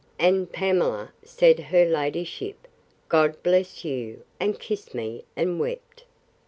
And Pamela, said her ladyship, God bless you! and kissed me, and wept.